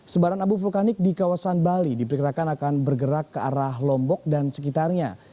sebaran abu vulkanik di kawasan bali diperkirakan akan bergerak ke arah lombok dan sekitarnya